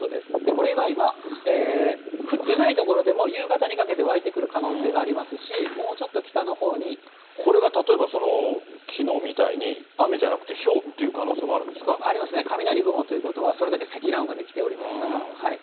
これが今、降ってない所でも夕方にかけて湧いてくる可能性がありますし、これが例えば、きのうみたいに雨じゃなくてひょうっていう可能性もあるんですかありますね、雷雲ということは、それだけ積乱雲が出来ておりますから。